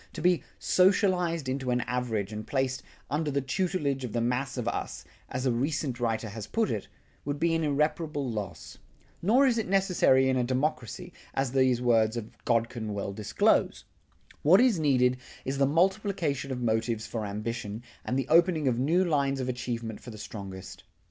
To be "socialized into an average" and placed "under the tutelage of the mass of us," as a recent writer has put it, would be an irreparable loss. Nor is it necessary in a democracy, as these words of Godkin well disclose. What is needed is the multiplication of motives for ambition and the opening of new lines of achievement for the strongest.